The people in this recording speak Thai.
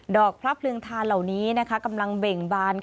อกพระเพลิงทานเหล่านี้กำลังเบ่งบาน